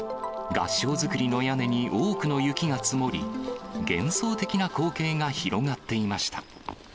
合掌造りの屋根に多くの雪が積もり、幻想的な光景が広がっていました。